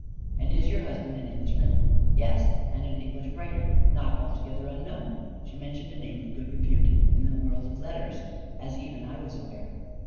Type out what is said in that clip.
"And is your husband an Englishman?" "Yes, and an English writer, not altogether unknown." She mentioned a name of good repute in the world of letters, as even I was aware.